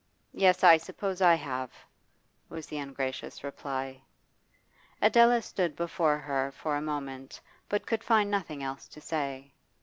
'Yes, I suppose I have,' was the ungracious reply. Adela stood before her for a moment, but could find nothing else to say.